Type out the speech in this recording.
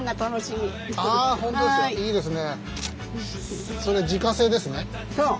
いいですね。